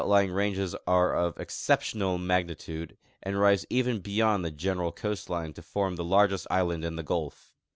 ying ranges are of exceptional magnitude and rise even beyond the general coastline to form the largest island in the gulf.